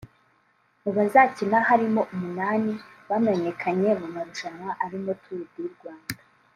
Mu bazakina harimo umunani bamenyekanye mu marushanwa arimo Tour du Rwanda